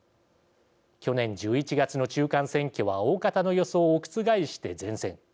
去年１１月の中間選挙は大方の予想を覆して善戦。